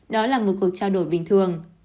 đó là một cuộc trao đổi bình thường